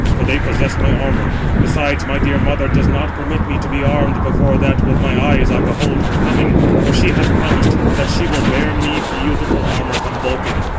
for they possess my armour. Besides, my dear mother does not permit me to be armed, before that with my eyes I behold her coming, for she hath promised that she will bear me beautiful armour from Vulcan.